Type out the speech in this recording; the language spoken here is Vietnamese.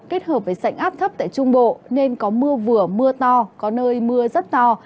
kết hợp với sảnh áp thấp tại trung bộ nên có mưa vừa mưa to có nơi mưa rất to